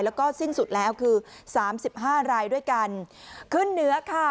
แล้วก็สิ้นสุดแล้วคือสามสิบห้ารายด้วยกันขึ้นเหนือค่ะ